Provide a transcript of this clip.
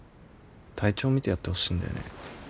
体調見てやってほしいんだよね。